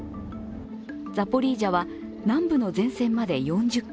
ザポリージャは南部の前線まで４０ｋｍ。